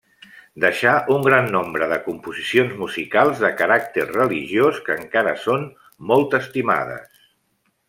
Deixà un gran nombre de composicions musicals de caràcter religiós, que encara són molt estimades.